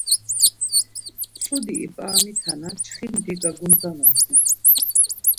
Mtsudi ip̌aramitana çxindi gagundzanasen.